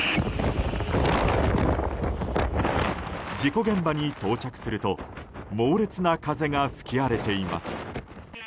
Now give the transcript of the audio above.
事故現場に到着すると猛烈な風が吹き荒れています。